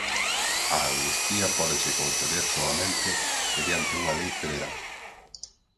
A amnistía pódese conceder soamente mediante unha lei federal.